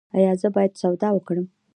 ایا زه باید سودا وکړم؟